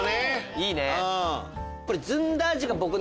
いいね！